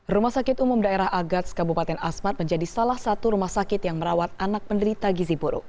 rumah sakit umum daerah agats kabupaten asmat menjadi salah satu rumah sakit yang merawat anak penderita gizi buruk